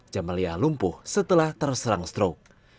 jamalia lumpuh setelah terserang strok